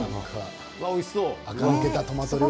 おいしそう。